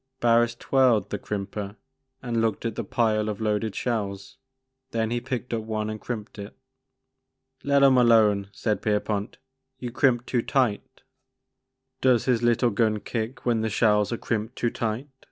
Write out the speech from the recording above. Barris twirled the crimper and looked at the pile of loaded shells. Then he picked up one and crimped it. "Let 'em alone," said Pierpont, "you crimp too tight." 12 751^ Maker of Moons. " Does his little gun kick when the shells are crimped too tight?''